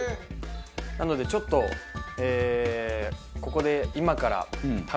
なのでちょっとここで。